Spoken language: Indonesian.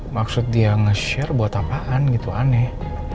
maksud dia nge share buat apaan gitu aneh